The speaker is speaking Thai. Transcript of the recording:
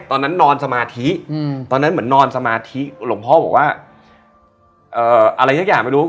ตอนนั้นนอนสมาธิอืมตอนนั้นเหมือนนอนสมาธิหลวงพ่อบอกว่าเอ่ออะไรทุกอย่างไม่รู้